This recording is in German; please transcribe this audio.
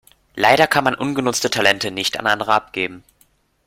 Leider kann man ungenutzte Talente nicht an andere abgeben.